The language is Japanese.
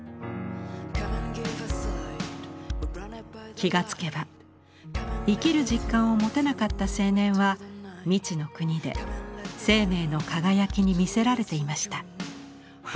気が付けば生きる実感を持てなかった青年は未知の国で生命の輝きに魅せられていました。